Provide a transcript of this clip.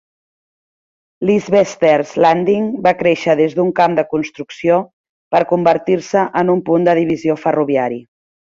Isbester's Landing va créixer des d"un camp de construcció per convertir-se en un punt de divisió ferroviari.